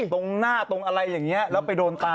ตรงหน้าตรงอะไรอย่างนี้แล้วไปโดนตา